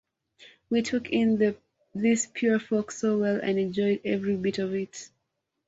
We took in this pure folk so well and enjoyed every bit of it.